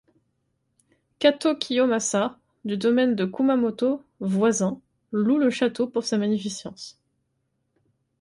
Katō Kiyomasa du domaine de Kumamoto voisin loue le château pour sa magnificence.